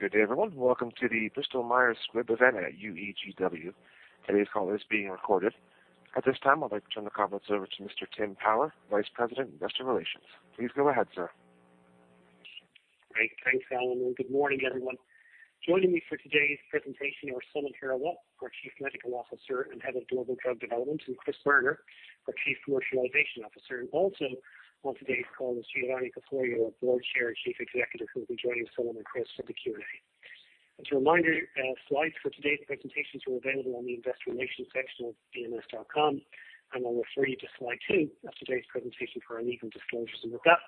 Good day, everyone. Welcome to the Bristol Myers Squibb event at UEGW. Today's call is being recorded. At this time, I'd like to turn the conference over to Mr. Tim Power, Vice President, Investor Relations. Please go ahead, sir. Great. Thanks, Alan, and good morning, everyone. Joining me for today's presentation are Samit Hirawat, our Chief Medical Officer and Head of Global Drug Development, and Chris Boerner, our Chief Commercialization Officer, and also on today's call is Giovanni Caforio, our Board Chair and Chief Executive, who will be joining Samit and Chris for the Q&A. As a reminder, slides for today's presentations are available on the investor relations section of bms.com. I will refer you to slide two of today's presentation for our legal disclosures. With that,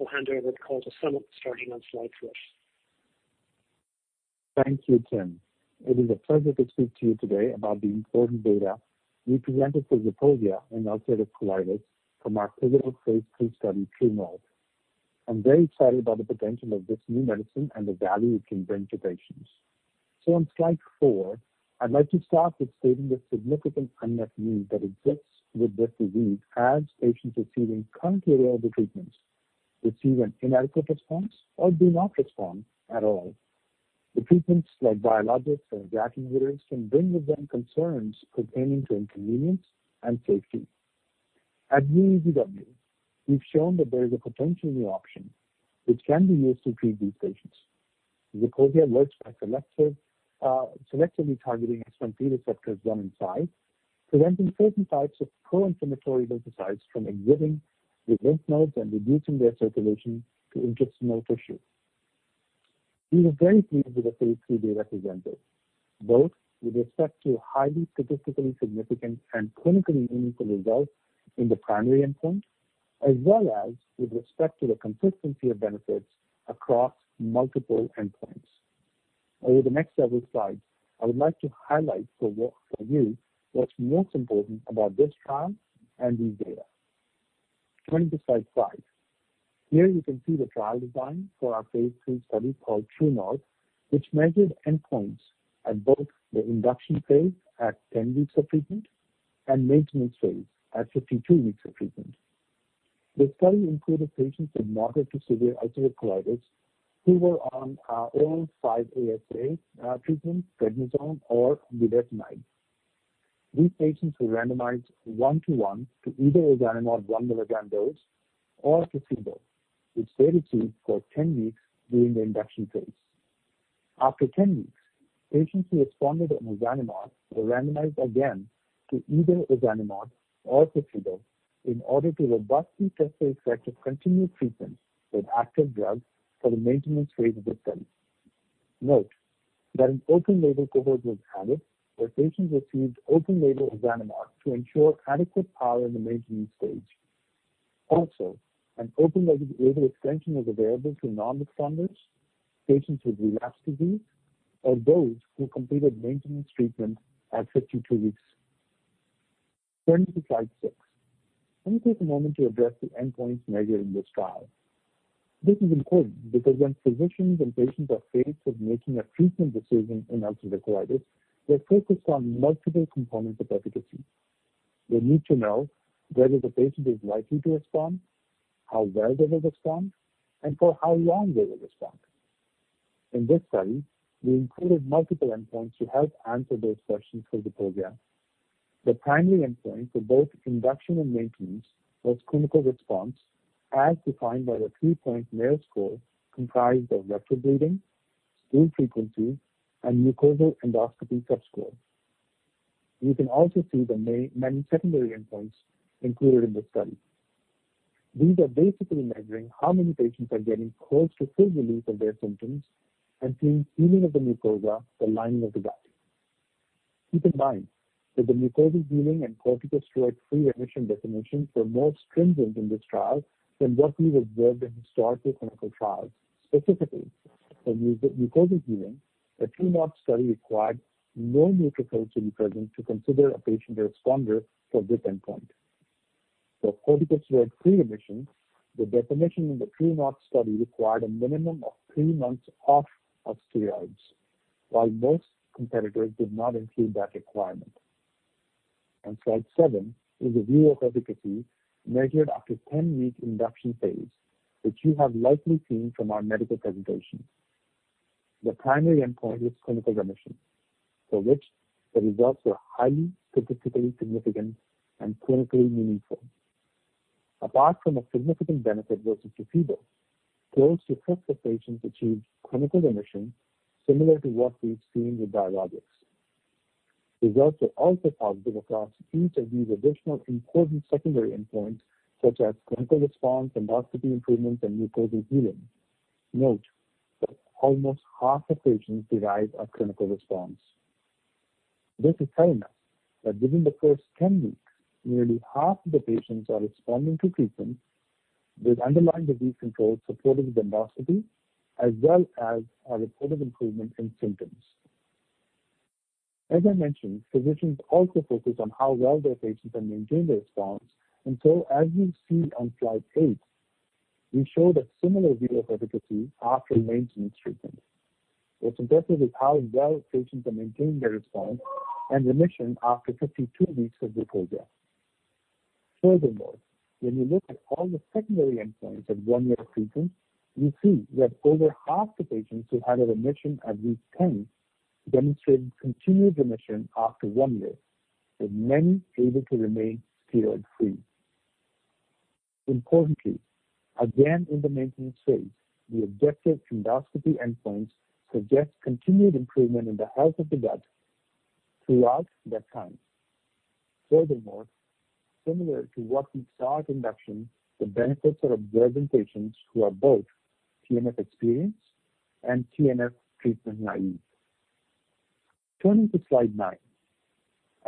I'll hand over the call to Samit, starting on slide four. Thank you, Tim. It is a pleasure to speak to you today about the important data we presented for Zeposia in ulcerative colitis from our pivotal phase III study, True North. I'm very excited about the potential of this new medicine and the value it can bring to patients. On slide four, I'd like to start with stating the significant unmet need that exists with this disease, as patients receiving current available treatments receive an inadequate response or do not respond at all. The treatments, like biologics or JAK inhibitors, can bring with them concerns pertaining to inconvenience and safety. At UEGW, we've shown that there is a potential new option which can be used to treat these patients. Zeposia works by selectively targeting S1P receptor 1 and 5, preventing certain types of pro-inflammatory lymphocytes from exiting the lymph nodes and reducing their circulation to intestinal tissue. We were very pleased with the phase III data presented, both with respect to highly statistically significant and clinically meaningful results in the primary endpoint, as well as with respect to the consistency of benefits across multiple endpoints. Over the next several slides, I would like to highlight for you what's most important about this trial and these data. Turning to slide five. Here you can see the trial design for our phase III study called True North, which measured endpoints at both the induction phase at 10 weeks of treatment and maintenance phase at 52 weeks of treatment. The study included patients with moderate to severe ulcerative colitis who were on oral 5-ASA treatment, prednisone, or vedolizumab. These patients were randomized 1:1 to either ozanimod 1 mg dose or placebo, which they received for 10 weeks during the induction phase. After 10 weeks, patients who responded on ozanimod were randomized again to either ozanimod or placebo in order to robustly test the effect of continued treatment with active drugs for the maintenance phase of the study. Note that an open-label cohort was added, where patients received open-label ozanimod to ensure adequate power in the maintenance stage. An open-label extension was available to non-responders, patients with relapsed disease, or those who completed maintenance treatment at 52 weeks. Turning to slide six. Let me take a moment to address the endpoints measured in this trial. This is important because when physicians and patients are faced with making a treatment decision in ulcerative colitis, they're focused on multiple components of efficacy. They need to know whether the patient is likely to respond, how well they will respond, and for how long they will respond. In this study, we included multiple endpoints to help answer those questions for Zeposia. The primary endpoint for both induction and maintenance was clinical response, as defined by the three-point Mayo Score, comprised of rectal bleeding, stool frequency, and mucosal endoscopy subscore. You can also see the many secondary endpoints included in the study. These are basically measuring how many patients are getting close to full relief of their symptoms and seeing healing of the mucosa, the lining of the gut. Keep in mind that the mucosal healing and corticosteroid-free remission definitions were more stringent in this trial than what we've observed in historical clinical trials. Specifically, for mucosal healing, the True North study required no [mucosal ulcers] to be present to consider a patient a responder for this endpoint. For corticosteroid-free remission, the definition in the True North study required a minimum of three months off of steroids, while most competitors did not include that requirement. On slide seven is a view of efficacy measured after 10-week induction phase, which you have likely seen from our medical presentations. The primary endpoint was clinical remission, for which the results were highly statistically significant and clinically meaningful. Apart from a significant benefit versus placebo, close to half the patients achieved clinical remission, similar to what we've seen with biologics. Results are also positive across each of these additional important secondary endpoints, such as clinical response, [endoscopic ] improvements, and mucosal healing. Note that almost half of patients derive a clinical response. This is telling us that within the first 10 weeks, nearly half of the patients are responding to treatment with underlying disease control supporting endoscopy as well as a reported improvement in symptoms. As I mentioned, physicians also focus on how well their patients can maintain the response. As you see on slide eight, we show that similar view of efficacy after maintenance treatment. What's impressive is how well patients can maintain their response and remission after 52 weeks of Zeposia. Furthermore, when you look at all the secondary endpoints at one-year treatment, you see that over half the patients who had a remission at week 10 demonstrated continued remission after one year, with many able to remain steroid-free. Importantly, again in the maintenance phase, the objective endoscopy endpoints suggest continued improvement in the health of the gut throughout that time. Furthermore, similar to what we saw at induction, the benefits are observed in patients who are both TNF-experienced and TNF treatment-naive. Turning to slide nine.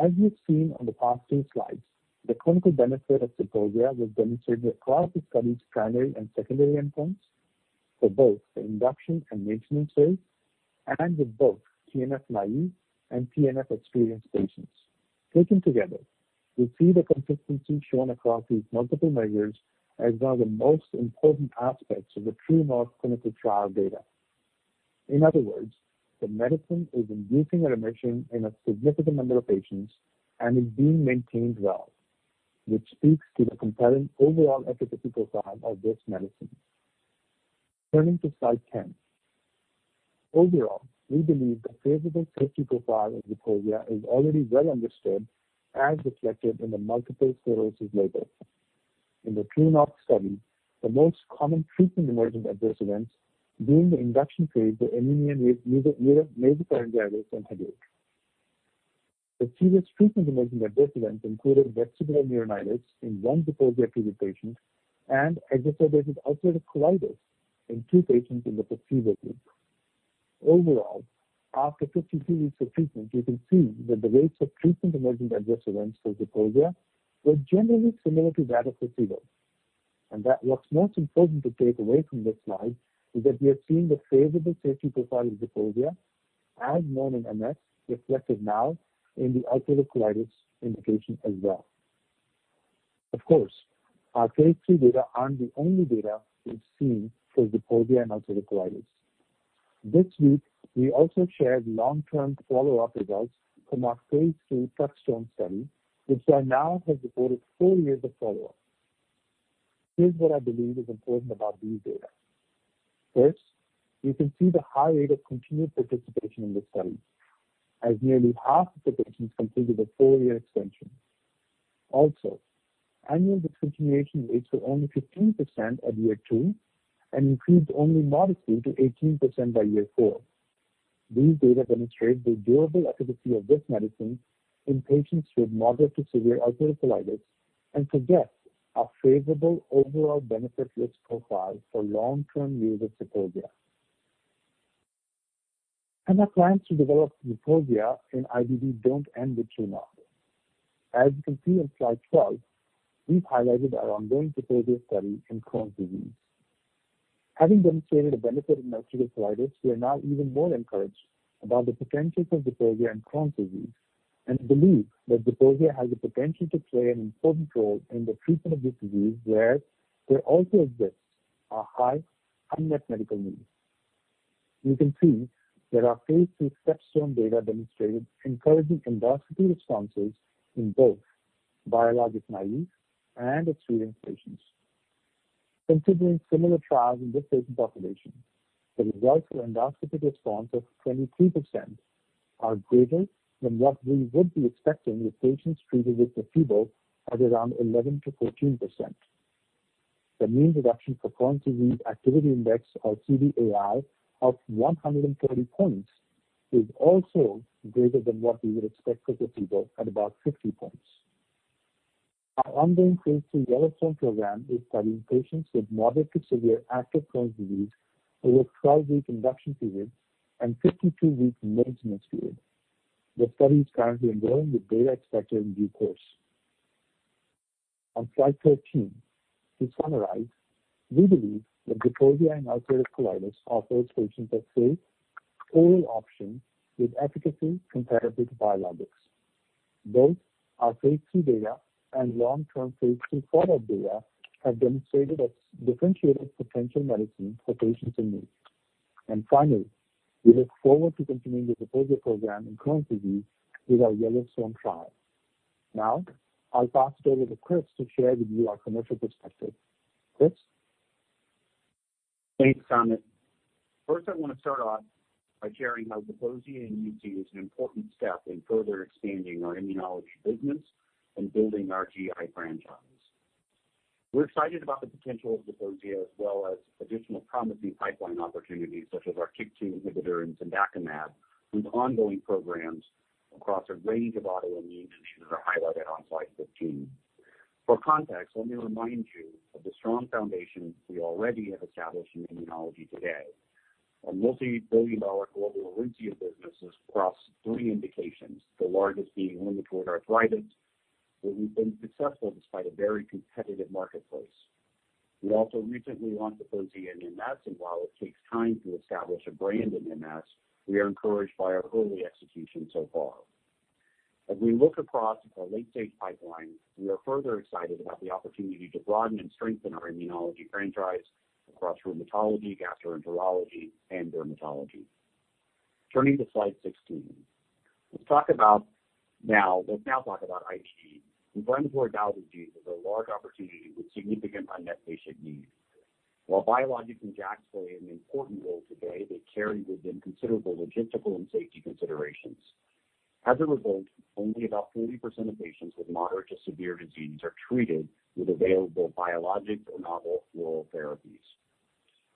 As we have seen on the past two slides, the clinical benefit of Zeposia was demonstrated across the study's primary and secondary endpoints for both the induction and maintenance phase, and with both TNF-naive and TNF-experienced patients. Taken together, we see the consistency shown across these multiple measures as one of the most important aspects of the True North clinical trial data. In other words, the medicine is inducing a remission in a significant number of patients and is being maintained well, which speaks to the compelling overall efficacy profile of this medicine. Turning to slide 10. Overall, we believe the favorable safety profile of Zeposia is already well understood as reflected in the multiple sclerosis label. In the True North study, the most common treatment emergent adverse events during the induction phase were anemia with [nasopharyngitis] and headache. The serious treatment emerging adverse events included vestibular neuritis in one Zeposia-treated patient and exacerbated ulcerative colitis in two patients in the placebo group. Overall, after 52 weeks of treatment, you can see that the rates of treatment emerging adverse events for Zeposia were generally similar to that of placebo. That what's most important to take away from this slide is that we are seeing the favorable safety profile of Zeposia, as known in MS, reflected now in the ulcerative colitis indication as well. Of course, our phase II data aren't the only data we've seen for Zeposia in ulcerative colitis. This week, we also shared long-term follow-up results from our phase II TOUCHSTONE study, which by now has reported four years of follow-up. Here's what I believe is important about these data. First, you can see the high rate of continued participation in this study, as nearly half of the patients completed the four-year extension. Also, annual discontinuation rates were only 15% at year two and increased only modestly to 18% by year four. These data demonstrate the durable efficacy of this medicine in patients with moderate to severe ulcerative colitis and suggest a favorable overall benefit-risk profile for long-term use of Zeposia. Our plans to develop Zeposia in IBD don't end with True North. As you can see on slide 12, we've highlighted our ongoing Zeposia study in Crohn's disease. Having demonstrated a benefit in ulcerative colitis, we are now even more encouraged about the potential for Zeposia in Crohn's disease and believe that Zeposia has the potential to play an important role in the treatment of this disease where there also exists a high unmet medical need. You can see that our phase II STEPSTONE data demonstrated encouraging endoscopy responses in both biologic-naive and experienced patients. Considering similar trials in this patient population, the results for endoscopic response of 23% are greater than what we would be expecting with patients treated with placebo at around 11%-14%. The mean reduction for Crohn's Disease Activity Index or CDAI of 130 points is also greater than what we would expect for placebo at about 50 points. Our ongoing phase III YELLOWSTONE program is studying patients with moderate to severe active Crohn's disease over a 12-week induction period and 52-week maintenance period. The study is currently enrolling, with data expected in due course. On slide 13, to summarize, we believe that Zeposia in ulcerative colitis offers patients a safe oral option with efficacy comparable to biologics. Both our phase II data and long-term phase II follow-up data have demonstrated a differentiated potential medicine for patients in need. Finally, we look forward to continuing the Zeposia program in Crohn's disease with our YELLOWSTONE trial. Now, I'll pass it over to Chris to share with you our commercial perspective. Chris? Thanks, Samit. First, I want to start off by sharing how Zeposia in UC is an important step in further expanding our immunology business and building our GI franchise. We're excited about the potential of Zeposia as well as additional promising pipeline opportunities such as our TYK2 inhibitor and cendakimab, whose ongoing programs across a range of autoimmune diseases are highlighted on slide 15. For context, let me remind you of the strong foundation we already have established in immunology today. Our multi-billion-dollar global ORENCIA business is across three indications, the largest being rheumatoid arthritis, where we've been successful despite a very competitive marketplace. We also recently launched Zeposia in MS, and while it takes time to establish a brand in MS, we are encouraged by our early execution so far. As we look across our late-stage pipeline, we are further excited about the opportunity to broaden and strengthen our immunology franchise across rheumatology, gastroenterology, and dermatology. Turning to slide 16. Let's now talk about IBD. Inflammatory bowel disease is a large opportunity with significant unmet patient needs. While biologics and JAKs play an important role today, they carry with them considerable logistical and safety considerations. As a result, only about 40% of patients with moderate to severe disease are treated with available biologics or novel oral therapies.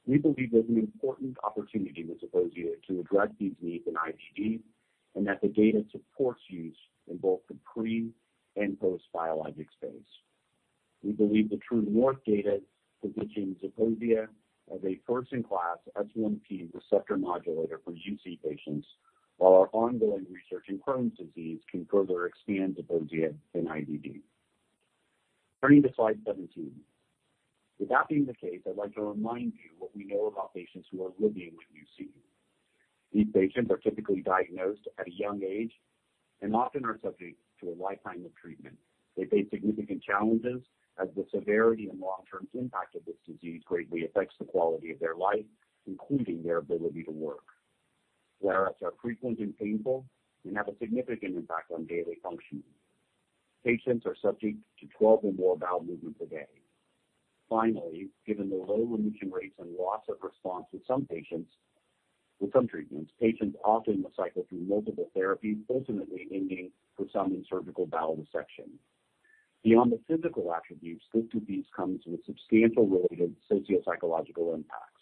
We believe there's an important opportunity with Zeposia to address these needs in IBD, and that the data supports use in both the pre- and post-biologic space. We believe the True North data positioning Zeposia as a first-in-class S1P receptor modulator for UC patients, while our ongoing research in Crohn's disease can further expand Zeposia in IBD. Turning to slide 17. With that being the case, I'd like to remind you what we know about patients who are living with UC. These patients are typically diagnosed at a young age and often are subject to a lifetime of treatment. They face significant challenges as the severity and long-term impact of this disease greatly affects the quality of their life, including their ability to work. Flare-ups are frequent and painful and have a significant impact on daily functioning. Patients are subject to 12 or more bowel movements a day. Given the low remission rates and loss of response with some treatments, patients often must cycle through multiple therapies, ultimately ending with some surgical bowel resection. Beyond the physical attributes, this disease comes with substantial related socio-psychological impacts.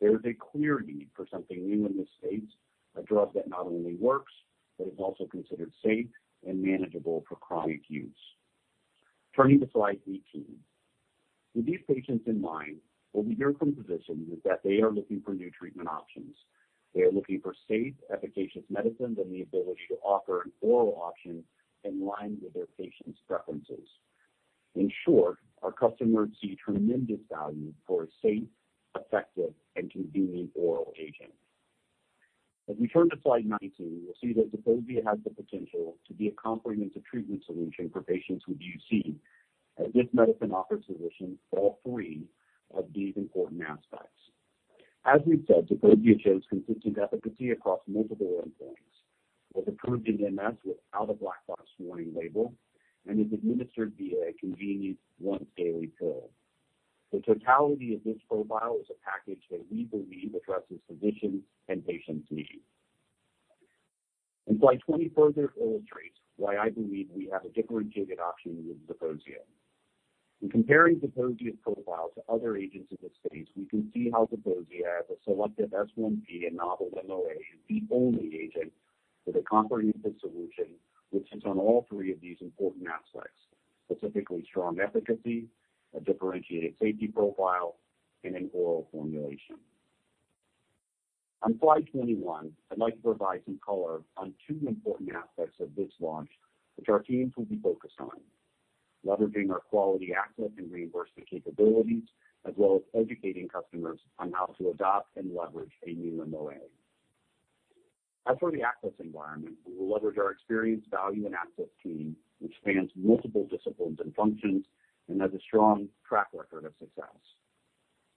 There is a clear need for something new in this space, a drug that not only works, but is also considered safe and manageable for chronic use. Turning to slide 18. With these patients in mind, what we hear from physicians is that they are looking for new treatment options. They are looking for safe, efficacious medicines and the ability to offer an oral option in line with their patients' preferences. In short, our customers see tremendous value for a safe, effective, and convenient oral agent. As we turn to slide 19, we'll see that Zeposia has the potential to be a comprehensive treatment solution for patients with UC, as this medicine offers solutions for all three of these important aspects. As we've said, Zeposia shows consistent efficacy across multiple endpoints, was approved in MS without a black box warning label, and is administered via a convenient once-daily pill. The totality of this profile is a package that we believe addresses physicians' and patients' needs. Slide 20 further illustrates why I believe we have a differentiated option with Zeposia. In comparing Zeposia's profile to other agents in this space, we can see how Zeposia, as a selective S1P and novel MOA, is the only agent with a comprehensive solution which hits on all three of these important aspects, specifically strong efficacy, a differentiated safety profile, and an oral formulation. On slide 21, I'd like to provide some color on two important aspects of this launch, which our teams will be focused on, leveraging our quality access and reimbursement capabilities, as well as educating customers on how to adopt and leverage a new MOA. As for the access environment, we will leverage our experienced value and access team, which spans multiple disciplines and functions and has a strong track record of success.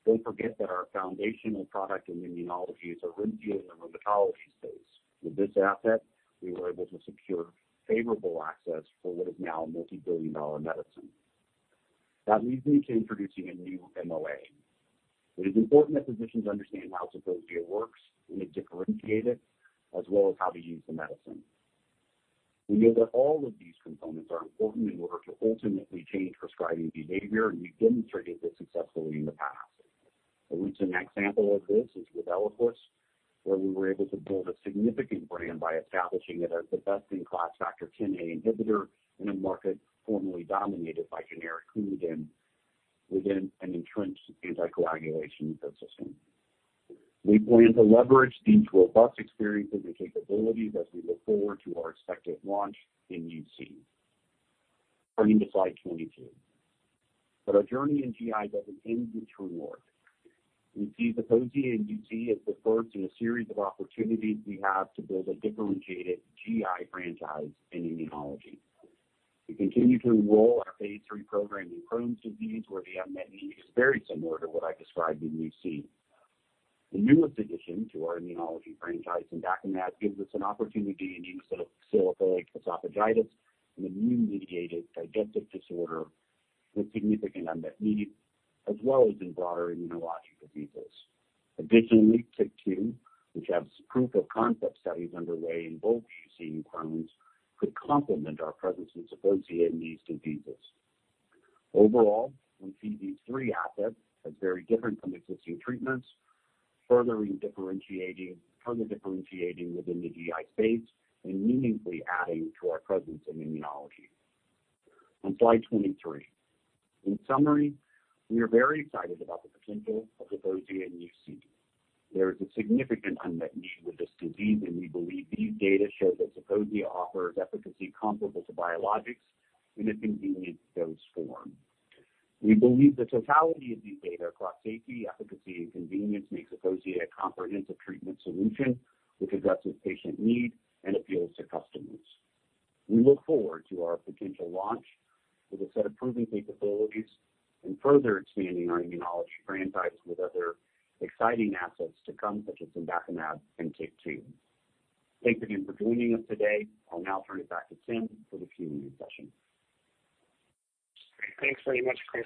Don't forget that our foundational product in immunology is ORENCIA in the rheumatology space. With this asset, we were able to secure favorable access for what is now a multi-billion dollar medicine. That leads me to introducing a new MOA. It is important that physicians understand how Zeposia works and is differentiated, as well as how to use the medicine. We know that all of these components are important in order to ultimately change prescribing behavior. We've demonstrated this successfully in the past. A recent example of this is with ELIQUIS, where we were able to build a significant brand by establishing it as the best-in-class Factor Xa inhibitor in a market formerly dominated by generic COUMADIN within an entrenched anticoagulation ecosystem. We plan to leverage these robust experiences and capabilities as we look forward to our expected launch in UC. Turning to slide 22. Our journey in GI doesn't end with True North. We see Zeposia in UC as the first in a series of opportunities we have to build a differentiated GI franchise in immunology. We continue to enroll our phase III program in Crohn's disease, where the unmet need is very similar to what I described in UC. The newest addition to our immunology franchise in cendakimab gives us an opportunity in eosinophilic esophagitis, an immune-mediated digestive disorder with significant unmet need, as well as in broader immunologic diseases. TYK2, which has proof of concept studies underway in both UC and Crohn's, could complement our presence with Zeposia in these diseases. Overall, we see these three assets as very different from existing treatments, further differentiating within the GI space and meaningfully adding to our presence in immunology. We are very excited about the potential of Zeposia in UC. There is a significant unmet need with this disease, and we believe these data show that Zeposia offers efficacy comparable to biologics in a convenient dose form. We believe the totality of these data across safety, efficacy, and convenience makes Zeposia a comprehensive treatment solution which addresses patient need and appeals to customers. We look forward to our potential launch with a set of proven capabilities and further expanding our immunology franchise with other exciting assets to come, such as cendakimab and TYK2. Thank you again for joining us today. I'll now turn it back to Tim for the Q&A session. Great. Thanks very much, Chris.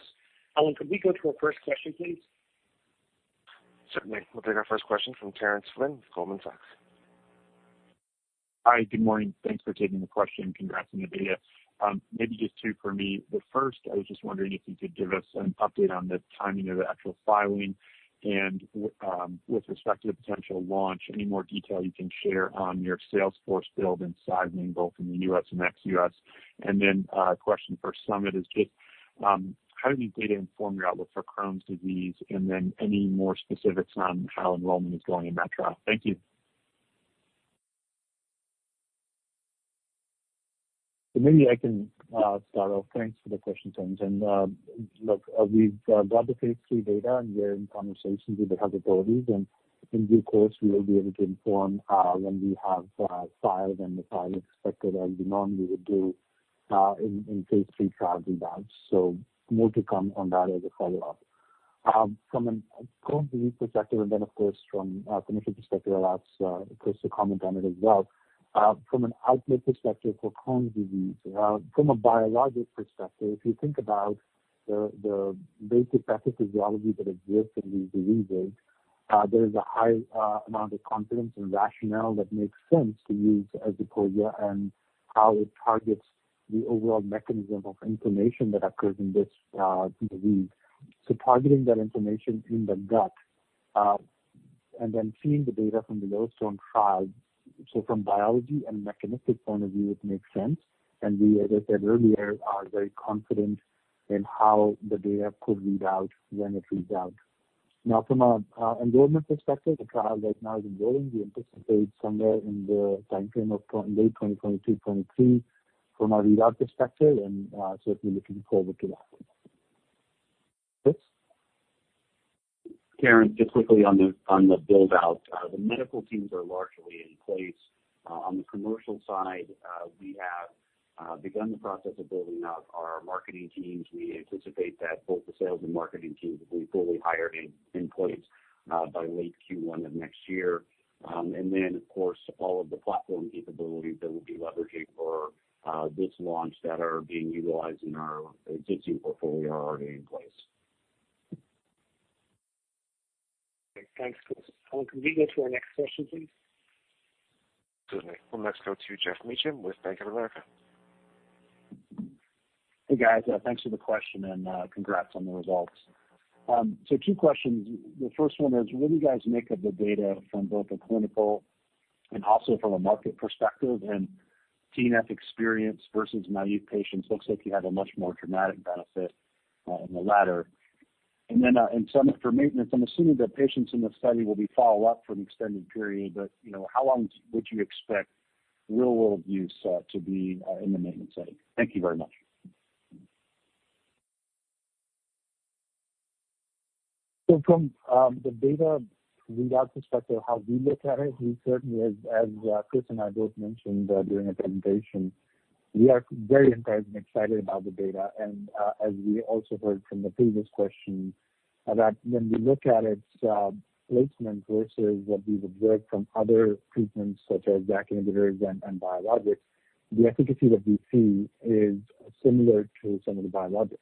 Alan, could we go to our first question, please? Certainly. We'll take our first question from Terence Flynn with Goldman Sachs. Hi. Good morning. Thanks for taking the question. Congrats on the data. Maybe just two for me. The first, I was just wondering if you could give us an update on the timing of the actual filing and with respect to the potential launch, any more detail you can share on your sales force build and sizing, both in the U.S. and ex-U.S. A question for Samit is just, how do you data inform your outlook for Crohn's disease? Any more specifics on how enrollment is going in that trial? Thank you. Maybe I can start off. Thanks for the question, Terence. Look, we've got the phase II data, and we're in conversations with the health authorities, and in due course, we will be able to inform when we have filed and the file is accepted as we normally would do in phase III trials and that. More to come on that as a follow-up. From a Crohn's disease perspective, and then of course from a commercial perspective, I'll ask Chris to comment on it as well. From an output perspective for Crohn's disease, from a biologic perspective, if you think about the basic pathophysiology that exists in these diseases, there is a high amount of confidence and rationale that makes sense to use Zeposia and how it targets the overall mechanism of inflammation that occurs in this disease. Targeting that inflammation in the gut, seeing the data from the YELLOWSTONE trials. From biology and mechanistic point of view, it makes sense. We, as I said earlier, are very confident in how the data could read out when it reads out. From an enrollment perspective, the trial right now is enrolling. We anticipate somewhere in the timeframe of late 2022, 2023 from a readout perspective, and certainly looking forward to that. Chris? Terence, just quickly on the build-out. The medical teams are largely in place. On the commercial side, we have begun the process of building out our marketing teams. We anticipate that both the sales and marketing teams will be fully hired and in place by late Q1 of next year. Then of course, all of the platform capabilities that we'll be leveraging for this launch that are being utilized in our Zeposia portfolio are already in place. Okay. Thanks, Chris. Alan, can we go to our next question, please? Certainly. We'll next go to Geoff Meacham with Bank of America. Hey, guys. Thanks for the question and congrats on the results. Two questions. The first one is, what do you guys make of the data from both a clinical and also from a market perspective and TNF experience versus naive patients? Looks like you had a much more dramatic benefit on the latter. In Samit, for maintenance, I'm assuming that patients in the study will be followed up for an extended period, but how long would you expect real-world use to be in the maintenance setting? Thank you very much. From the data readout perspective, how we look at it, we certainly, as Chris and I both mentioned during the presentation, we are very encouraged and excited about the data. As we also heard from the previous question, that when we look at its placement versus what we've observed from other treatments such as JAK inhibitors and biologics, the efficacy that we see is similar to some of the biologics.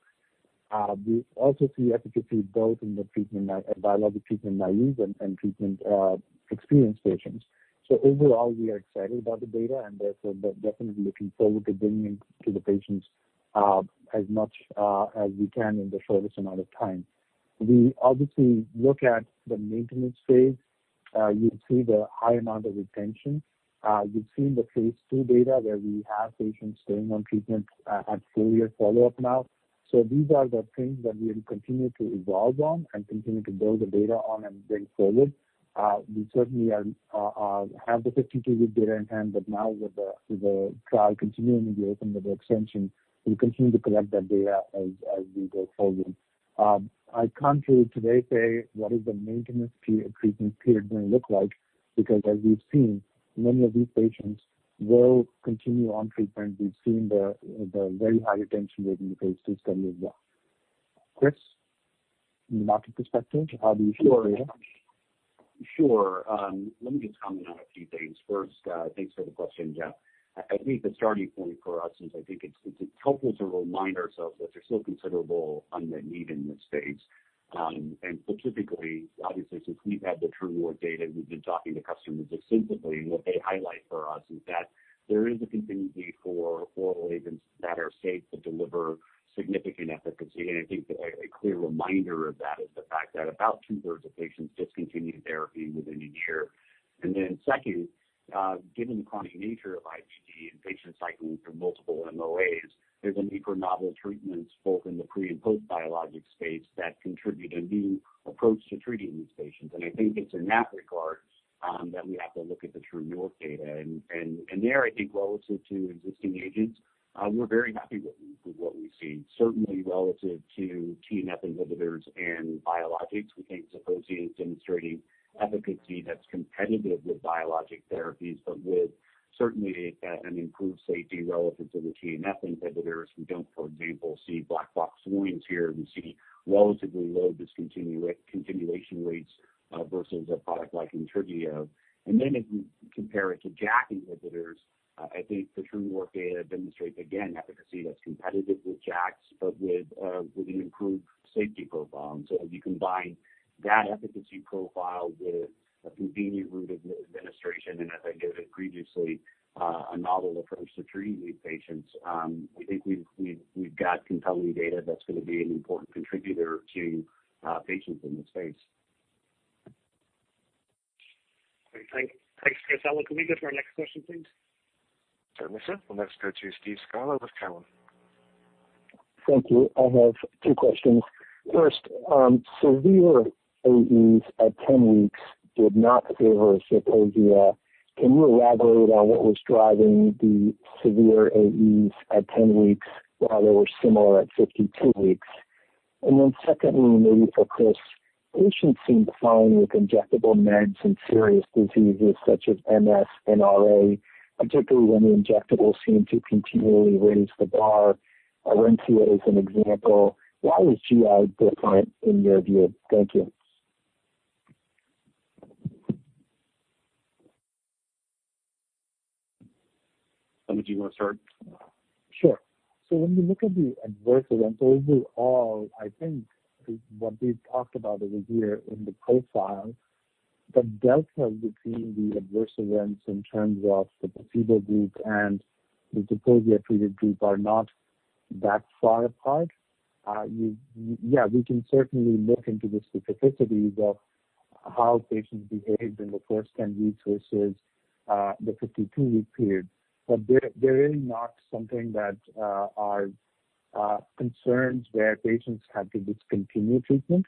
We also see efficacy both in the biologic treatment-naive and treatment-experienced patients. Overall, we are excited about the data and therefore definitely looking forward to bringing to the patients as much as we can in the shortest amount of time. We obviously look at the maintenance phase. You see the high amount of retention. You've seen the phase II data where we have patients staying on treatment at four-year follow-up now. These are the things that we will continue to evolve on and continue to build the data on and bring forward. We certainly have the 52-week data in hand, but now with the trial continuing and the open-label extension, we continue to collect that data as we go forward. I can't really today say what is the maintenance treatment period going to look like, because as we've seen, many of these patients will continue on treatment. We've seen the very high retention rate in the phase II study as well. Chris, from the market perspective, how do you see the data? Sure. Let me just comment on a few things. Thanks for the question, Geoff. I think the starting point for us is, it's helpful to remind ourselves that there's still considerable unmet need in this space. Specifically, obviously, since we've had the True North data, we've been talking to customers extensively, and what they highlight for us is that there is a continued need for oral agents that are safe but deliver significant efficacy. I think a clear reminder of that is the fact that about 2/3 of patients discontinued therapy within a year. Then second, given the chronic nature of IBD and patients cycling through multiple MOAs, there's a need for novel treatments both in the pre- and post-biologic space that contribute a new approach to treating these patients. I think it's in that regard that we have to look at the True North data. There, I think relative to existing agents, we're very happy with what we've seen. Certainly relative to TNF inhibitors and biologics, we think Zeposia is demonstrating efficacy that's competitive with biologic therapies, but with certainly an improved safety relative to the TNF inhibitors. We don't, for example, see black box warnings here. We see relatively low discontinuation rates versus a product like ENTYVIO. If we compare it to JAK inhibitors, I think the True North data demonstrates, again, efficacy that's competitive with JAKs, but with an improved safety profile. If you combine that efficacy profile with a convenient route of administration, and as I gave previously, a novel approach to treating these patients, I think we've got compelling data that's going to be an important contributor to patients in this space. Great. Thanks, Chris. Alan, can we go to our next question, please? Sure. Let's go to Steve Scala with Cowen. Thank you. I have two questions. First, severe AEs at 10 weeks did not favor Zeposia. Can you elaborate on what was driving the severe AEs at 10 weeks, while they were similar at 52 weeks? Secondly, maybe for Chris, patients seem fine with injectable meds and serious diseases such as MS, RA, particularly when the injectables seem to continually raise the bar. Orencia is an example. Why is GI different in your view? Thank you. Samit, do you want to start? Sure. When we look at the adverse events, those are all, I think, what we've talked about over here in the profile. The delta between the adverse events in terms of the placebo group and the Zeposia-treated group are not that far apart. We can certainly look into the specificities of how patients behaved in the first 10 weeks versus the 52-week period. There is not something that are concerns where patients had to discontinue treatment.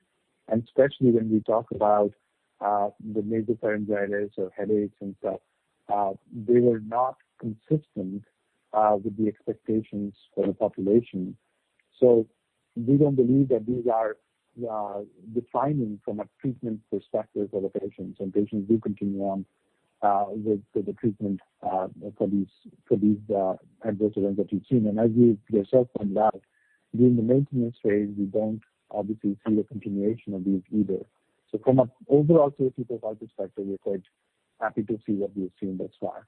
Especially when we talk about the nasopharyngitis or headaches and stuff, they were not consistent with the expectations for the population. We don't believe that these are defining from a treatment perspective for the patients, and patients do continue on with the treatment for these adverse events that we've seen. As you yourself point out, during the maintenance phase, we don't obviously see the continuation of these either. From an overall safety profile perspective, we're quite happy to see what we've seen thus far.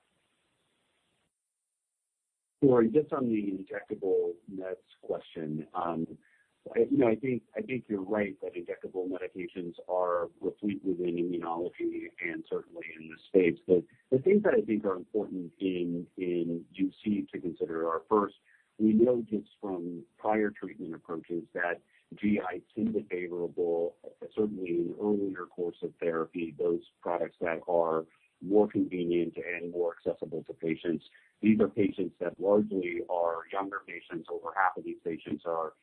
Sure. Just on the injectable meds question. I think you're right that injectable medications are replete within immunology and certainly in this space. The things that I think are important in UC to consider are, first, we know just from prior treatment approaches that GI tend to favorable, certainly in earlier course of therapy, those products that are more convenient and more accessible to patients. These are patients that largely are younger patients. Over half of these patients are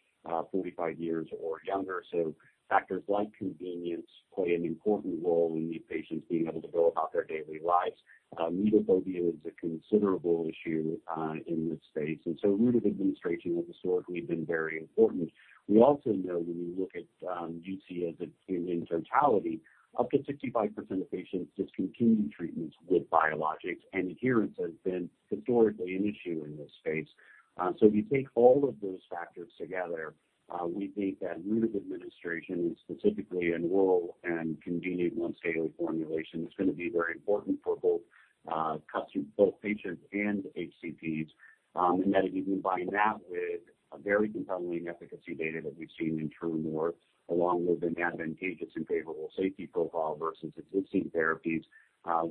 45 years or younger. Factors like convenience play an important role in these patients being able to go about their daily lives. Needle phobia is a considerable issue in this space. Route of administration has historically been very important. We also know when we look at UC as a field in totality, up to 65% of patients discontinue treatments with biologics, adherence has been historically an issue in this space. If you take all of those factors together, we think that route of administration, specifically in oral and convenient once daily formulation, is going to be very important for both patients and HCPs. That if you combine that with a very compelling efficacy data that we've seen in True North, along with an advantageous and favorable safety profile versus existing therapies,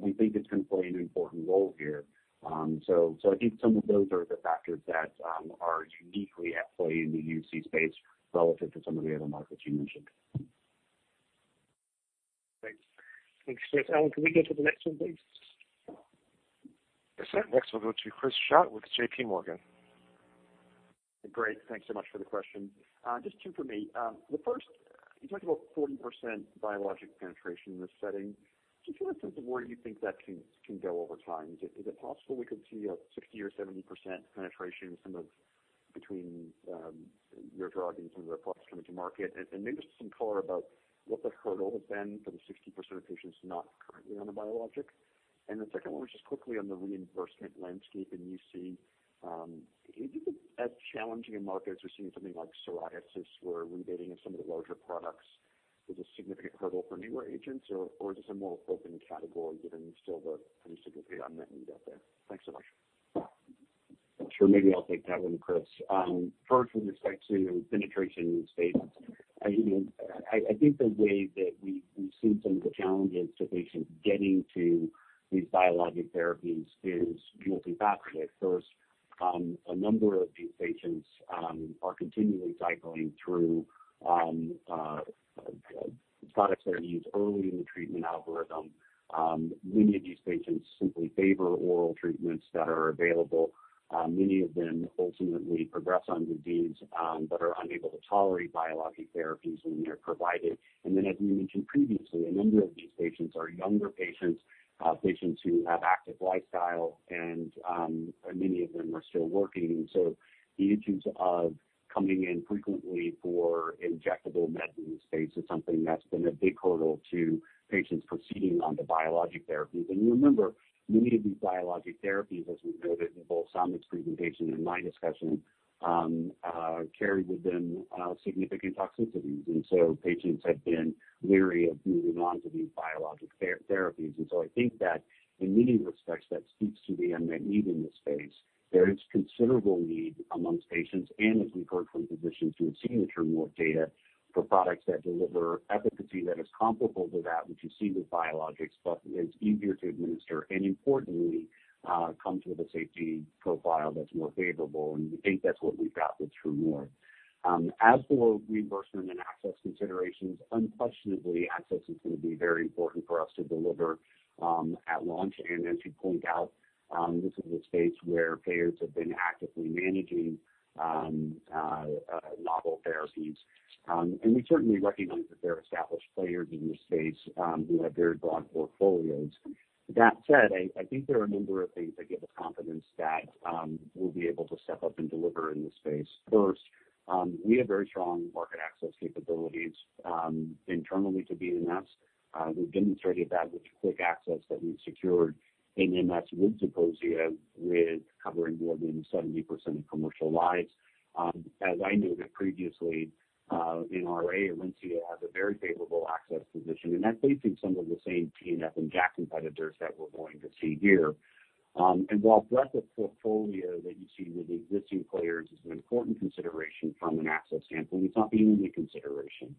we think it's going to play an important role here. I think some of those are the factors that are uniquely at play in the UC space relative to some of the other markets you mentioned. Thanks. Thanks, Chris. Alan, can we go to the next one, please? Yes, sir. Next we'll go to Chris Schott with JPMorgan. Great. Thanks so much for the question. Just two for me. The first, you talked about 40% biologic penetration in this setting. Just get a sense of where you think that can go over time. Is it possible we could see a 60% or 70% penetration between your drug and some of the products coming to market? Maybe just some color about what the hurdle has been for the 60% of patients not currently on a biologic. The second one was just quickly on the reimbursement landscape in UC. Is it as challenging a market as we're seeing in something like psoriasis, where rebating of some of the larger products is a significant hurdle for newer agents? Is this a more open category given still the significant unmet need out there? Thanks so much. Sure. Maybe I'll take that one, Chris. First, with respect to penetration in this space. I think the way that we've seen some of the challenges to patients getting to these biologic therapies is multifaceted. First, a number of these patients are continually cycling through products that are used early in the treatment algorithm. Many of these patients simply favor oral treatments that are available. Many of them ultimately progress on to these, but are unable to tolerate biologic therapies when they're provided. As we mentioned previously, a number of these patients are younger patients who have active lifestyle, and many of them are still working. The issues of coming in frequently for injectable meds in this space is something that's been a big hurdle to patients proceeding on to biologic therapies. You remember, many of these biologic therapies, as we noted in both Samit's presentation and my discussion, carry with them significant toxicities. Patients have been leery of moving on to these biologic therapies. I think that in many respects, that speaks to the unmet need in this space. There is considerable need amongst patients and as we've heard from physicians who have seen the True North data, for products that deliver efficacy that is comparable to that which you see with biologics, but is easier to administer, and importantly, comes with a safety profile that's more favorable. We think that's what we've got with True North. As for reimbursement and access considerations, unquestionably, access is going to be very important for us to deliver at launch. As you point out, this is a space where payers have been actively managing novel therapies. We certainly recognize that there are established players in this space who have very broad portfolios. That said, I think there are a number of things that give us confidence that we'll be able to step up and deliver in this space. First, we have very strong market access capabilities internally to BMS. We've demonstrated that with the quick access that we've secured in MS with Zeposia, with covering more than 70% of commercial lives. As I noted previously, in RA, ORENCIA has a very favorable access position, and that's facing some of the same TNF and JAK inhibitors that we're going to see here. While breadth of portfolio that you see with existing players is an important consideration from an access standpoint, it's not the only consideration.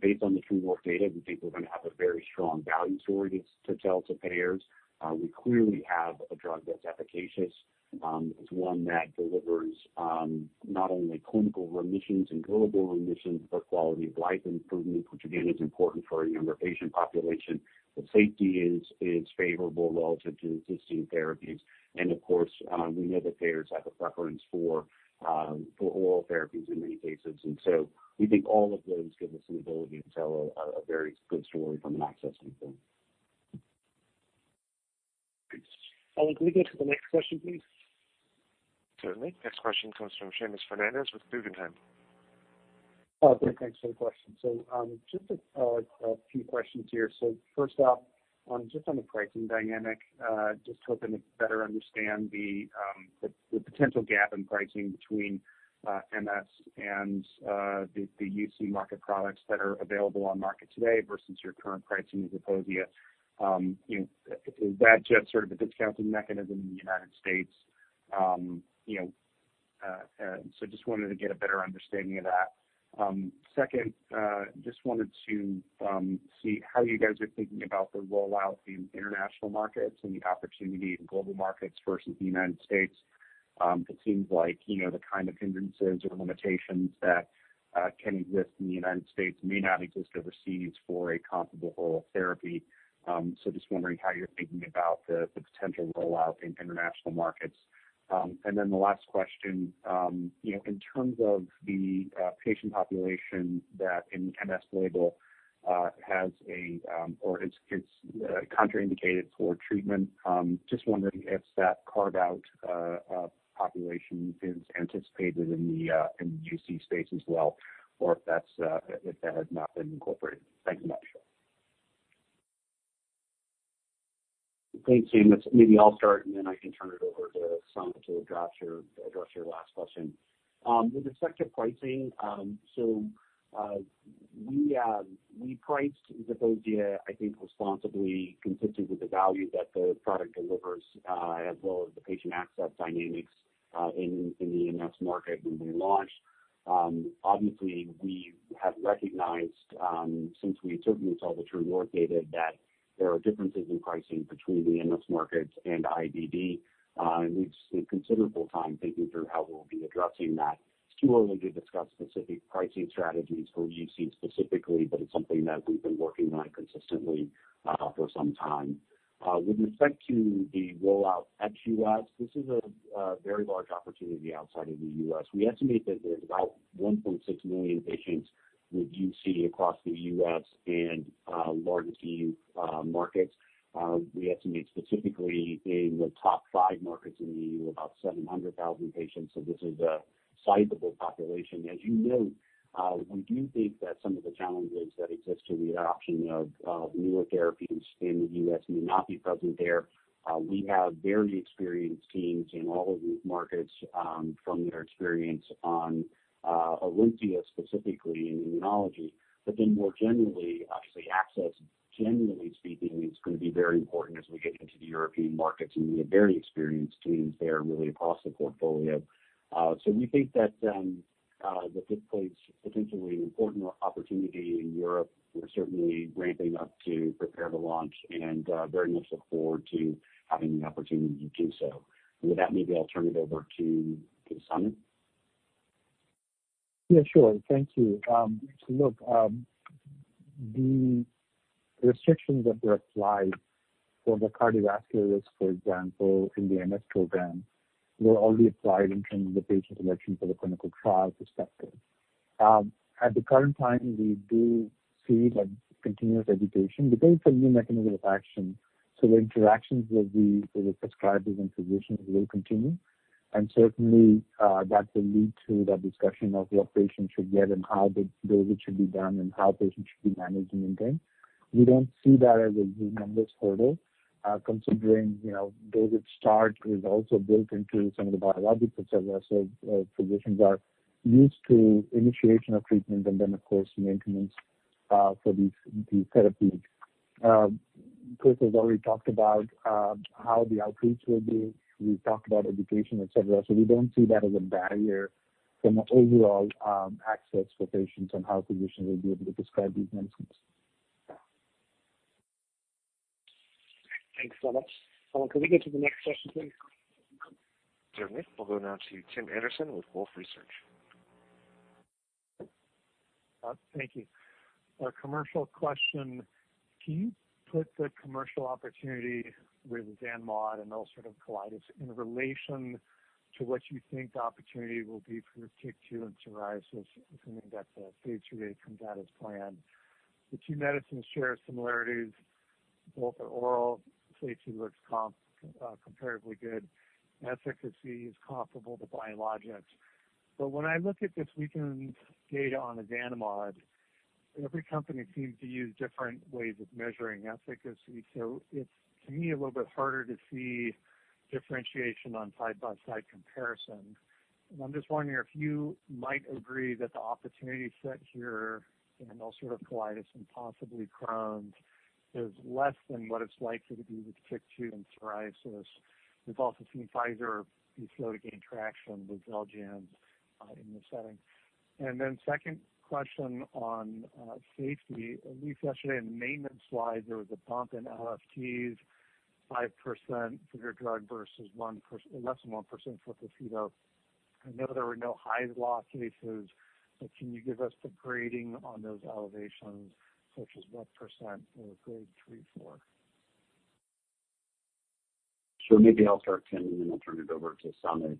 Based on the True North data, we think we're going to have a very strong value story to tell to payers. We clearly have a drug that's efficacious. It's one that delivers not only clinical remissions and global remissions, but quality of life improvement, which again, is important for a younger patient population. The safety is favorable relative to existing therapies. Of course, we know that payers have a preference for oral therapies in many cases. We think all of those give us an ability to tell a very good story from an access standpoint. Thanks. Operator, can we go to the next question, please? Certainly. Next question comes from Seamus Fernandez with Guggenheim. Great. Thanks for the question. Just a few questions here. First off, just on the pricing dynamic, just hoping to better understand the potential gap in pricing between MS and the UC market products that are available on market today versus your current pricing of Zeposia. Is that just sort of a discounting mechanism in the United States? Just wanted to get a better understanding of that. Second, just wanted to see how you guys are thinking about the rollout in international markets and the opportunity in global markets versus the United States. It seems like the kind of hindrances or limitations that can exist in the United States may not exist overseas for a comparable therapy. Just wondering how you're thinking about the potential rollout in international markets. The last question, in terms of the patient population that in MS label is contraindicated for treatment, just wondering if that carve-out population is anticipated in the UC space as well, or if that has not been incorporated. Thanks much. Thanks, Seamus. Maybe I'll start, and then I can turn it over to Samit to address your last question. With respect to pricing, so we priced Zeposia, I think, responsibly consistent with the value that the product delivers as well as the patient access dynamics in the MS market when we launched. Obviously, we have recognized, since we took and saw the True North data, that there are differences in pricing between the MS markets and IBD. We've spent considerable time thinking through how we'll be addressing that. It's too early to discuss specific pricing strategies for UC specifically, but it's something that we've been working on consistently for some time. With respect to the rollout ex-U.S., this is a very large opportunity outside of the U.S. We estimate that there's about 1.6 million patients with UC across the U.S. and larger EU markets. We estimate specifically in the top five markets in the EU, about 700,000 patients, so this is a sizable population. As you note, we do think that some of the challenges that exist to the adoption of newer therapies in the U.S. may not be present there. We have very experienced teams in all of these markets from their experience on ORENCIA, specifically in immunology. More generally, obviously, access, generally speaking, is going to be very important as we get into the European markets, and we have very experienced teams there really across the portfolio. We think that this plays potentially an important opportunity in Europe. We're certainly ramping up to prepare the launch and very much look forward to having the opportunity to do so. With that, maybe I'll turn it over to Samit. Sure. Thank you. Look, the restrictions that were applied for the cardiovascular risk, for example, in the MS program, were only applied in terms of patient selection for the clinical trial perspective. At the current time, we do see continuous education. Depends on new mechanism of action, so the interactions with the prescribers and physicians will continue, and certainly, that will lead to the discussion of what patients should get and how the dosage should be done and how patients should be managing in turn. We don't see that as a huge [numbers holder], considering dosage start is also built into some of the biologics, et cetera. Physicians are used to initiation of treatment and then, of course, maintenance for these therapies. Chris has already talked about how the outreach will be. We've talked about education, et cetera. We don't see that as a barrier from the overall access for patients and how physicians will be able to prescribe these medicines. Thanks so much. Can we go to the next question, please? Certainly. We'll go now to Tim Anderson with Wolfe Research. Thank you. A commercial question. Can you put the commercial opportunity with ozanimod and ulcerative colitis in relation to what you think the opportunity will be for TYK2 in psoriasis, assuming that the phase III data comes out as planned? The two medicines share similarities, both are oral, safety looks comparatively good, efficacy is comparable to biologics. When I look at this weekend's data on ozanimod, every company seems to use different ways of measuring efficacy. It's, to me, a little bit harder to see differentiation on side-by-side comparison. I'm just wondering if you might agree that the opportunity set here in ulcerative colitis and possibly Crohn's is less than what it's likely to be with TYK2 in psoriasis. We've also seen Pfizer begin to gain traction with XELJANZ in this setting. Second question on safety. I believe yesterday in the maintenance slide, there was a bump in LFTs, 5% for your drug versus less than 1% for placebo. I know there were no Hy's Law cases, but can you give us the grading on those elevations, such as what percent were grade 3, 4? Maybe I'll start, Tim, and then I'll turn it over to Samit.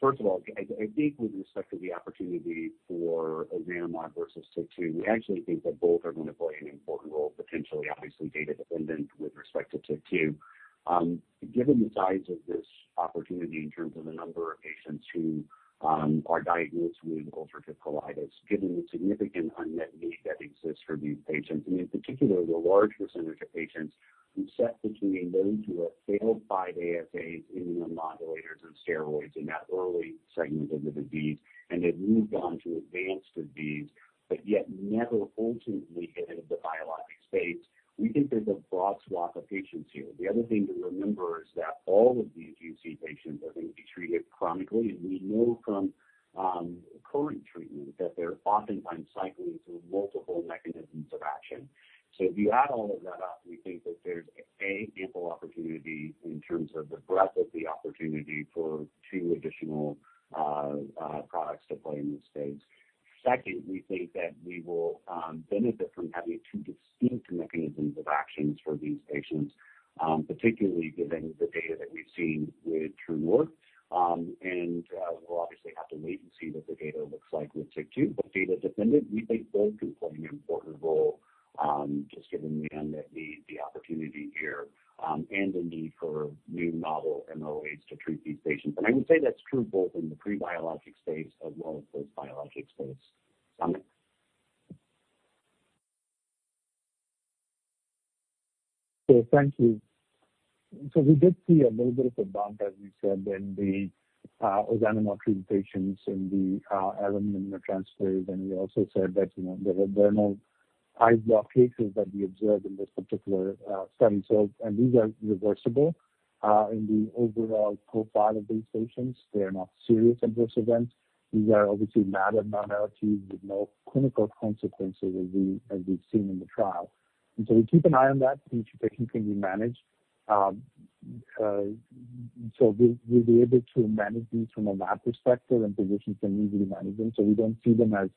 First of all, I think with respect to the opportunity for ozanimod versus TYK2, we actually think that both are going to play an important role, potentially. Obviously, data-dependent with respect to TYK2. Given the size of this opportunity in terms of the number of patients who are diagnosed with ulcerative colitis, given the significant unmet need that exists for these patients, and in particular, the large percentage of patients who set between those who have failed 5-ASAs, immunomodulators, and steroids in that early segment of the disease and have moved on to advanced disease, but yet never ultimately entered the biologic space, we think there's a broad swath of patients here. The other thing to remember is that all of these UC patients are going to be treated chronically, and we know from current treatment that they're oftentimes cycling through multiple mechanisms of action. If you add all of that up, we think that there's, A, ample opportunity in terms of the breadth of the opportunity for two additional products to play in this space. Second, we think that we will benefit from having two distinct mechanisms of actions for these patients, particularly given the data that we've seen with True North. We'll obviously have to wait and see what the data looks like with TYK2. Data-dependent, we think both can play an important role, just given the unmet need, the opportunity here, and the need for new novel MOAs to treat these patients. I would say that's true both in the pre-biologic space as well as post-biologic space. Samit? Thank you. We did see a little bit of a bump, as we said, in the ozanimod-treated patients in the alanine aminotransferase. We also said that there were no Hy's Law cases that we observed in this particular study. These are reversible in the overall profile of these patients. They are not serious adverse events. These are obviously mild abnormalities with no clinical consequences, as we've seen in the trial. We keep an eye on that. These are things that can be managed. We'll be able to manage these from a lab perspective, and physicians can easily manage them. We don't see them as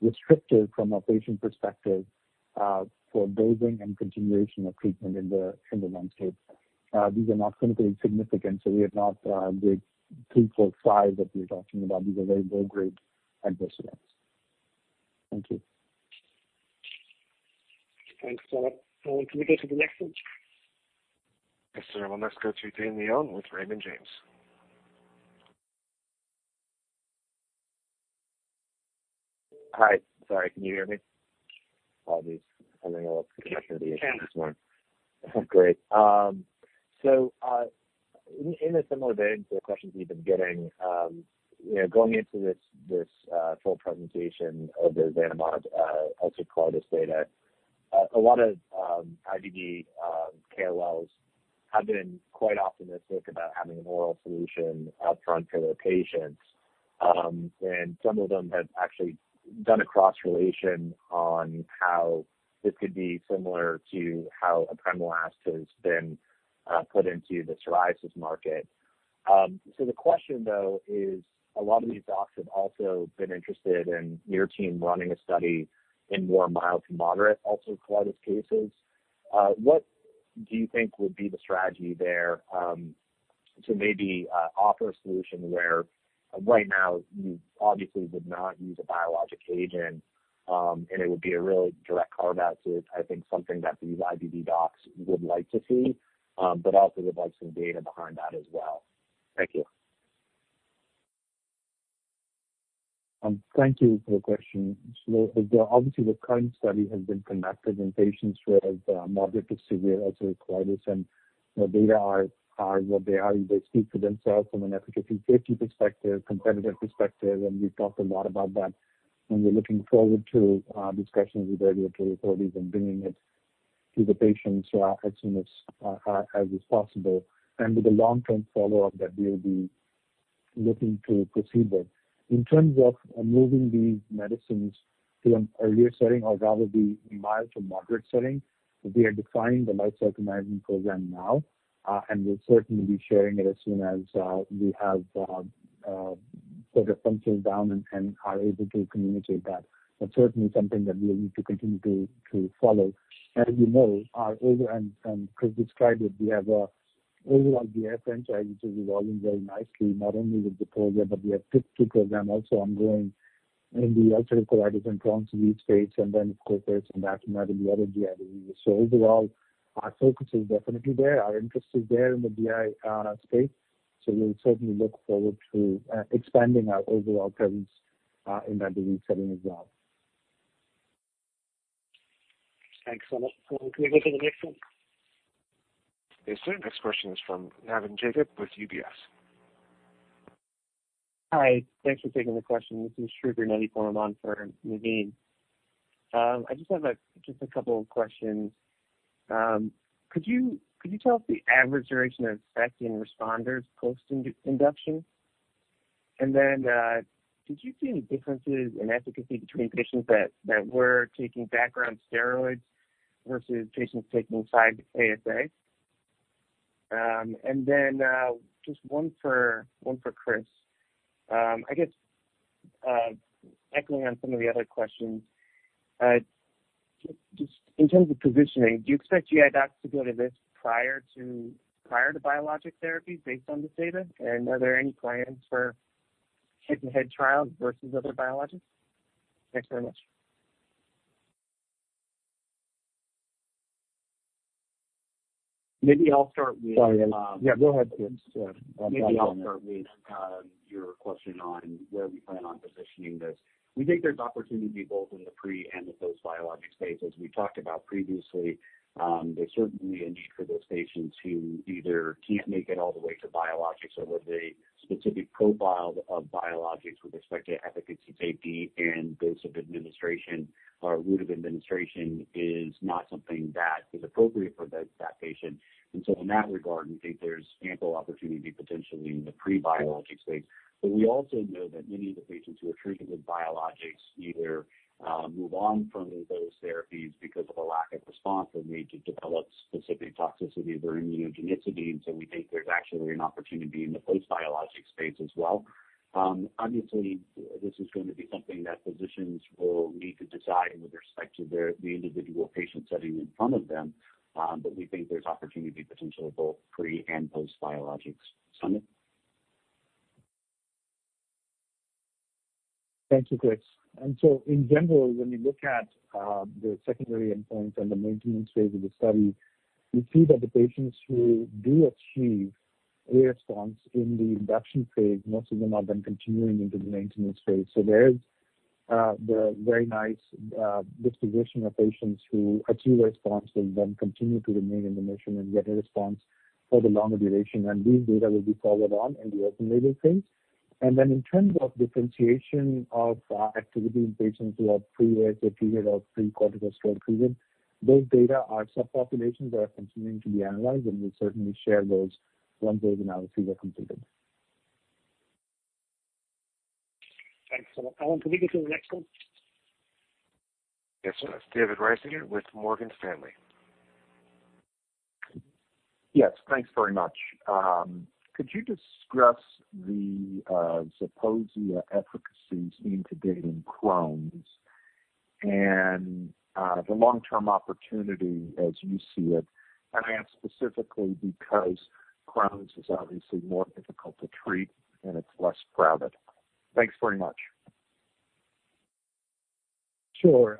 restrictive from a patient perspective for dosing and continuation of treatment in the landscape. These are not clinically significant, so we have not reached three, four, five, that you're talking about. These are very low-grade adverse events. Thank you. Thanks, [Samit]. Can we go to the next one? Yes, sir. We'll next go to Dane Leone with Raymond James. Hi. Sorry, can you hear me? Apologies. I don't know what's connecting to the internet this morning. Yes. Great. In a similar vein to the questions you've been getting, going into this full presentation of the ozanimod ulcerative colitis data, a lot of IBD KOLs have been quite optimistic about having an oral solution out front for their patients, and some of them have actually Done a cross-relation on how this could be similar to how apremilast has been put into the psoriasis market. The question, though, is a lot of these docs have also been interested in your team running a study in more mild to moderate ulcerative colitis cases. What do you think would be the strategy there to maybe offer a solution where right now you obviously would not use a biologic agent, and it would be a real direct carve-out to, I think, something that these IBD docs would like to see, but also would like some data behind that as well. Thank you. Thank you for the question. Obviously, the current study has been conducted in patients who have moderate to severe ulcerative colitis, and the data are what they are. They speak for themselves from an efficacy and safety perspective, competitive perspective, we've talked a lot about that, and we're looking forward to discussions with the regulatory authorities and bringing it to the patients as soon as is possible. With a long-term follow-up that we'll be looking to proceed with. In terms of moving these medicines to an earlier setting or rather the mild to moderate setting, we are defining the life cycle management program now, and we'll certainly be sharing it as soon as we have sort of penciled down and are able to communicate that. Certainly, something that we'll need to continue to follow. As you know, Chris described it, we have a overall GI franchise which is evolving very nicely, not only with the program, but we have two programs also ongoing in the ulcerative colitis and Crohn's disease space. Then, of course, there's. So overall, our focus is definitely there. Our interest is there in the GI space, so we'll certainly look forward to expanding our overall in that disease setting as well. Excellent. Can we go to the next one? Yes, sir. Next question is from Navin Jacob with UBS. Hi. Thanks for taking the question. This is [Sriker], on for Navin. I just have a couple of questions. Could you tell us the average duration of effect in responders post-induction? Did you see any differences in efficacy between patients that were taking background steroids versus patients taking 5-ASA? Just one for Chris. I guess, echoing on some of the other questions, just in terms of positioning, do you expect GI docs to go to this prior to biologic therapy based on this data? Are there any plans for head-to-head trials versus other biologics? Thanks very much. Maybe I'll start. Sorry. Yeah, go ahead, Chris. Maybe I'll start with your question on where we plan on positioning this. We think there's opportunity both in the pre and the post biologic space. As we talked about previously, there's certainly a need for those patients who either can't make it all the way to biologics or where the specific profile of biologics with respect to efficacy, safety, and dose of administration or route of administration is not something that is appropriate for that patient. In that regard, we think there's ample opportunity potentially in the pre-biologic space. We also know that many of the patients who are treated with biologics either move on from those therapies because of a lack of response or may develop specific toxicity or immunogenicity. We think there's actually an opportunity in the post-biologic space as well. Obviously, this is going to be something that physicians will need to decide with respect to the individual patient sitting in front of them, but we think there's opportunity potentially both pre and post biologics. Samit. Thank you, Chris. In general, when we look at the secondary endpoints and the maintenance phase of the study, we see that the patients who do achieve a response in the induction phase, most of them have been continuing into the maintenance phase. There's the very nice distribution of patients who achieve response and then continue to remain in remission and get a response for the longer duration. These data will be followed on in the open-label phase. In terms of differentiation of activity in patients who have previous or treated or prior corticosteroid treatment, those data are subpopulations that are continuing to be analyzed, and we'll certainly share those once those analyses are completed. Thanks a lot. Alan, can we go to the next one? Yes, sir. It's David Risinger with Morgan Stanley. Yes, thanks very much. Could you discuss the Zeposia efficacies in treating Crohn's and the long-term opportunity as you see it? I ask specifically because Crohn's is obviously more difficult to treat and it's less private. Thanks very much. Sure.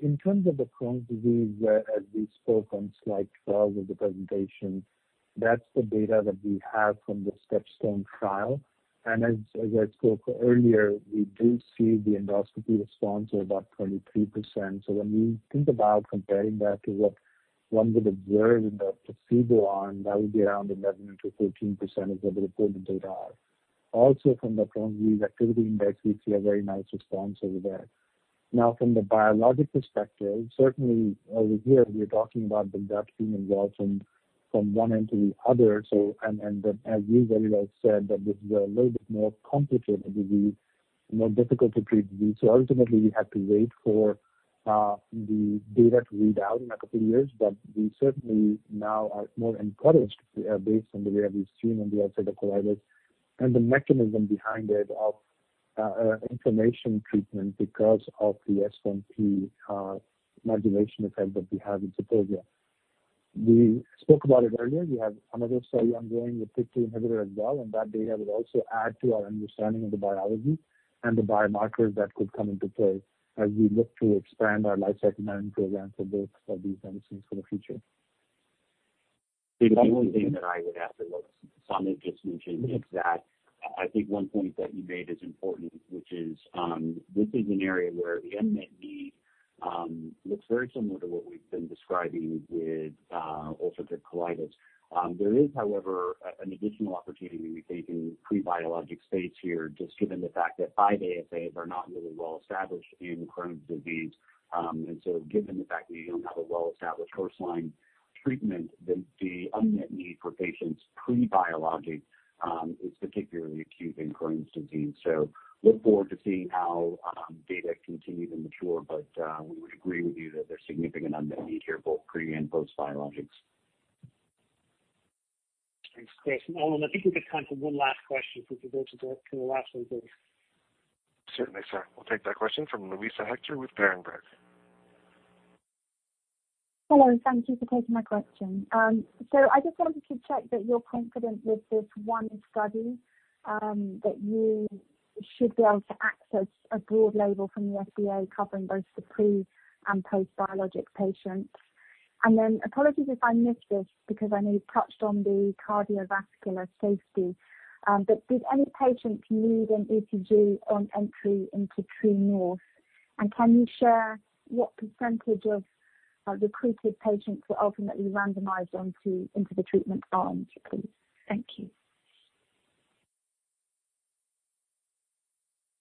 In terms of the Crohn's disease, as we spoke on slide 12 of the presentation, that's the data that we have from the STEPSTONE trial. As I spoke earlier, we do see the endoscopy response of about 23%. When we think about comparing that to what one would observe in the placebo arm, that would be around 11%-13% is what the reported data are. Also, from the Crohn's Disease Activity Index, we see a very nice response over there. From the biological perspective, certainly over here we are talking about the gut being involved from one end to the other. As you very well said, that this is a little bit more complicated, more difficult to treat the disease. Ultimately, we have to wait for the data to read out in a couple of years. We certainly now are more encouraged based on the way we've seen on the ulcerative colitis and the mechanism behind it of inflammation treatment because of the S1P modulation effect that we have in ozanimod. We spoke about it earlier. We have another study ongoing with TYK2 inhibitor as well. That data would also add to our understanding of the biology and the biomarkers that could come into play as we look to expand our lifecycle management program for both of these medicines for the future. The only thing that I would add to what Samit just mentioned is that I think one point that you made is important, which is this is an area where the unmet need looks very similar to what we've been describing with ulcerative colitis. There is, however, an additional opportunity we see in pre-biologic space here, just given the fact that 5-ASAs are not really well-established in Crohn's disease. Given the fact that you don't have a well-established first-line treatment, the unmet need for patients pre-biologic is particularly acute in Crohn's disease. Look forward to seeing how data continue to mature, but we would agree with you that there's significant unmet need here, both pre and post biologics. Thanks, Chris. Alan, I think we've got time for one last question, if we could go to the last one, please. Certainly, sir. We'll take that question from Luisa Hector with Berenberg. Hello, thank you for taking my question. I just wanted to check that you're confident with this one study, that you should be able to access a broad label from the FDA covering both the pre and post-biologic patients. Apologies if I missed this because I know you touched on the cardiovascular safety. Did any patients need an ECG on entry into True North? Can you share what percentage of recruited patients were ultimately randomized into the treatment arms, please? Thank you.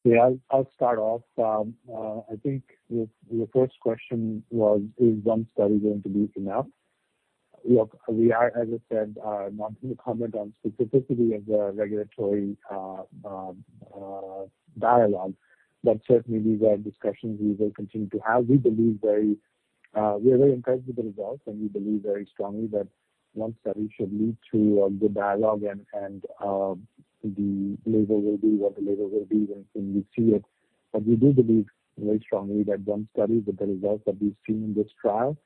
Yeah. I'll start off. I think your first question was, is one study going to be enough? Look, we are, as I said, not going to comment on specificity of the regulatory dialogue. Certainly these are discussions we will continue to have. We are very impressed with the results, and we believe very strongly that one study should lead to a good dialogue and the label will be what the label will be when we see it. We do believe very strongly that one study with the results that we've seen in this trial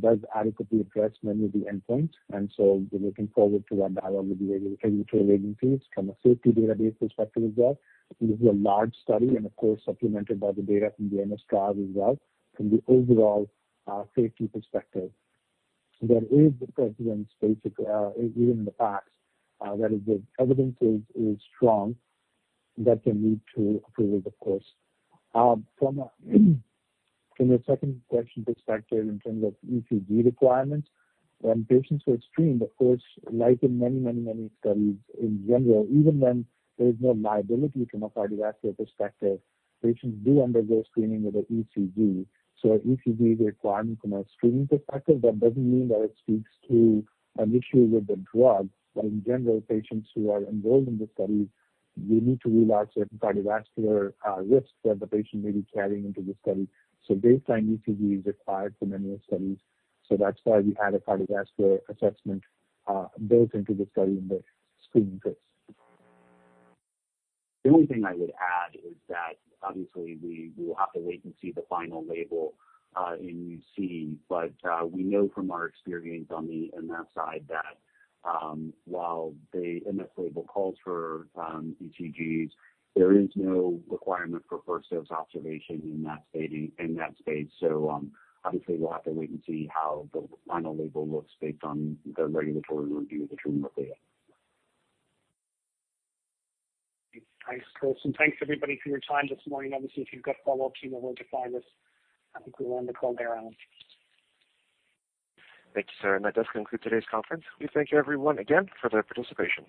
does adequately address many of the endpoints. We're looking forward to our dialogue with the regulatory agencies from a safety database perspective as well. This is a large study and of course, supplemented by the data from the MS trial as well. From the overall safety perspective, there is the precedence basically, even in the past, that is if evidence is strong, that can lead to approval, of course. From the second question perspective in terms of ECG requirements, when patients were screened, of course, like in many studies in general, even when there is no liability from a cardiovascular perspective, patients do undergo screening with an ECG. An ECG requirement from a screening perspective, that doesn't mean that it speaks to an issue with the drug. In general, patients who are enrolled in the study, we need to rule out certain cardiovascular risks that the patient may be carrying into the study. Baseline ECG is required for many of the studies. That's why we had a cardiovascular assessment built into the study in the screening phase. The only thing I would add is that obviously we will have to wait and see the final label in UC. We know from our experience on the MS side that while the MS label calls for ECGs, there is no requirement for first-dose observation in that space. Obviously we'll have to wait and see how the final label looks based on the regulatory review of the True North data. Thanks, Chris. Thanks everybody for your time this morning. Obviously, if you've got follow-ups, you know where to find us. I think we'll end the call there, Alan. Thank you, sir. That does conclude today's conference. We thank everyone again for their participation.